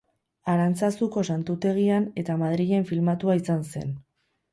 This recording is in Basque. Arantzazuko santutegian eta Madrilen filmatua izan zen.